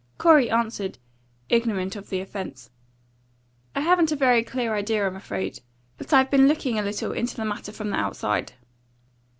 Corey answered, ignorant of the offence: "I haven't a very clear idea, I'm afraid; but I've been looking a little into the matter from the outside."